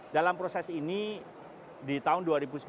dalam proses ini di tahun dua ribu sembilan belas dua ribu dua puluh